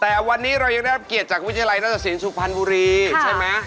แต่วันนี้เรายังได้รับเกียรติจากวิทยาลัยราชสินสุพรรณบุรีใช่ไหม